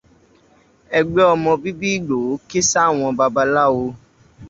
Ẹgbẹ́ ọmọ bíbí Ìgbòho ké sáwọn babaláwo.